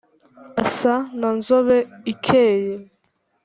asa na nzobe ikeye